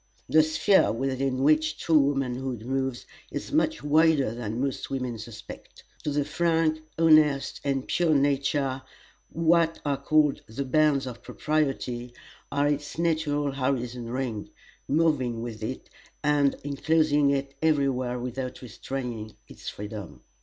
The sphere within which true womanhood moves is much wider than most women suspect. To the frank, honest, and pure nature, what are called "the bounds of propriety" are its natural horizon ring, moving with it, and inclosing it every where without restraining its freedom.